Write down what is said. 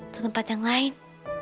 ke tempat yang lain